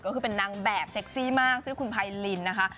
ก็คือเป็นนางแบบเซ็กซี่มากชื่อคุณไพรินนะคะ